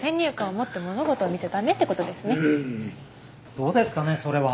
・どうですかねそれは。